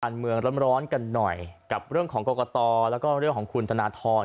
การเมืองร้อนกันหน่อยกับเรื่องของโกกตและก็ของคุณธนทร